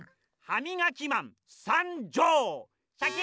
ハミガキマンさんじょう！